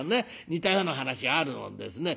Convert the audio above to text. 似たような話あるもんですね。